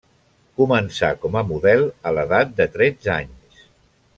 Començà com a model a l'edat de tretze anys.